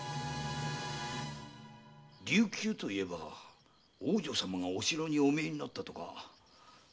琉球といえば王女様がお城にお見えになったとか。